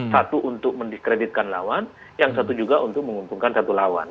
satu untuk mendiskreditkan lawan yang satu juga untuk menguntungkan satu lawan